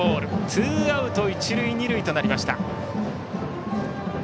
ツーアウト一塁二塁となりました。